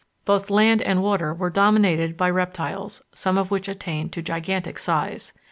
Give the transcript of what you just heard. Both land and water were dominated by reptiles, some of which attained to gigantic size.